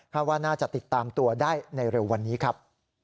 ว่าน่าจะติดตามตัวได้ในเร็ววันนี้ครับ